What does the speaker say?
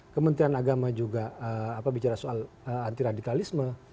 kementerian agama juga bicara soal anti radikalisme